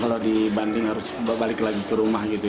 kalau dibanding harus balik lagi ke rumah gitu